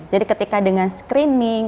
jadi ketika dengan screening